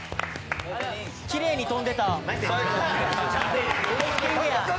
きれいに飛んでた。